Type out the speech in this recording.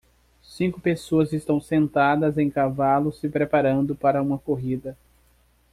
Cinco pessoas estão sentadas em cavalos se preparando para uma corrida